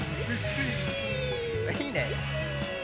いいね！